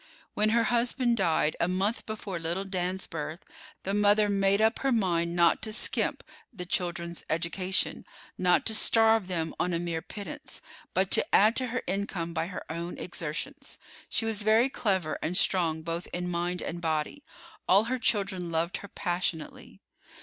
When her husband died, a month before little Dan's birth, the mother made up her mind not to skimp the children's education, not to starve them on a mere pittance, but to add to her income by her own exertions. She was very clever and strong both in mind and body. All her children loved her passionately.